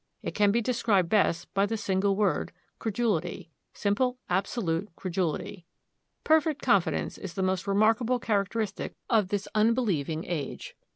It can be described best by the single word, Credulity; simple, absolute credulity. Perfect confidence is the most remarkable characteristic of this unbelieving age.